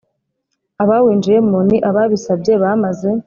Abawinjiyemo ni ababisabye bamaze